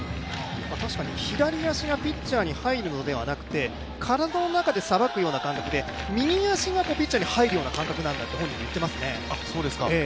確かに、左足がピッチャーに入るのではなくて、体の中でさばくような感覚で、右足がピッチャーの方に入るような感覚だと本人も言っていますよね。